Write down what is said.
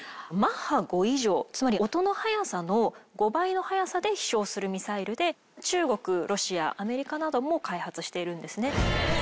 マッハ５以上つまり音の速さの５倍の速さで飛翔するミサイルで中国ロシアアメリカなども開発しているんですね。